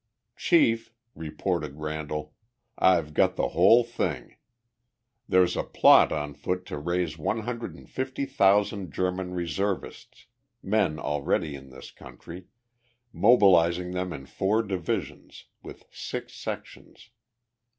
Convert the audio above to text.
"Chief," reported Randall, "I've got the whole thing. There's a plot on foot to raise one hundred and fifty thousand German reservists men already in this country mobilizing them in four divisions, with six sections.